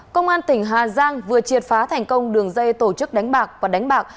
công an tỉnh hà giang vừa triệt phá thành công đường dây tổ chức đánh bạc và đánh bạc